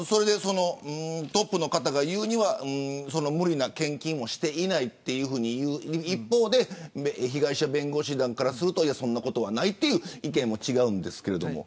トップの方が言うには無理な献金をしていないという一方で被害者弁護士団からするとそんなことはないと言う意見も違うんですけど。